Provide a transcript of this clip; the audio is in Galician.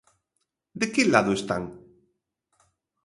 ¿De que lado están?